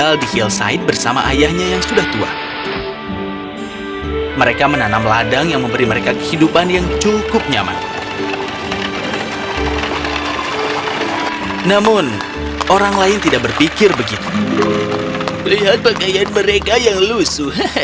lihat pakaian mereka yang lusuh